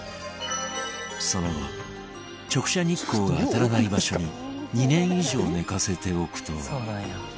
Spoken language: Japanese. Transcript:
その後直射日光が当たらない場所に２年以上寝かせておくと財前：